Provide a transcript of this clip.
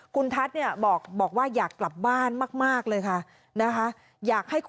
คุณทัศน์บอกว่าอยากกลับบ้านมากเลยค่ะ